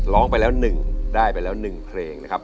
ร้องไปแล้ว๑ได้ไปแล้ว๑เพลงนะครับ